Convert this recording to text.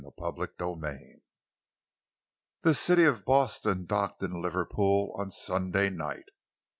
CHAPTER XVI The City of Boston docked in Liverpool on Sunday night.